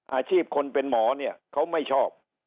อาชีพคนเป็นหมอเนี่ยเขาไม่ชอบ